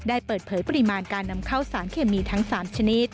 ได้เปิดเผยปริมาณการนำเข้าสารเคมีทั้ง๓ชนิด